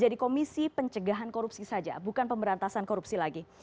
jadi komisi pencegahan korupsi saja bukan pemberantasan korupsi lagi